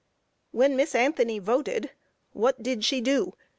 When Miss Anthony voted, what did she do?